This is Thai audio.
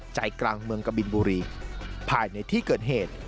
ใจกลางเมืองกบินบุรีภายในที่เกิดเหตุ